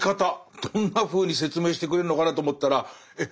どんなふうに説明してくれるのかなと思ったらえっ